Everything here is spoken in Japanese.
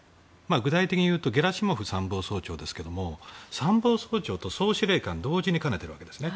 具体的に言うとゲラシモフ参謀総長ですが参謀総長と総司令官を同時に兼ねているわけですね。